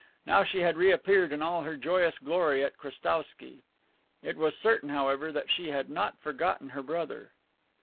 Now she had reappeared in all her joyous glory at Krestowsky. It was certain, however, that she had not forgotten her brother.